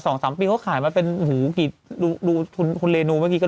สามปีเขาขายมาเป็นหูกี่ดูคุณคุณเรนูเมื่อกี้ก็